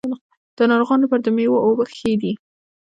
د ناروغانو لپاره د میوو اوبه ښې دي.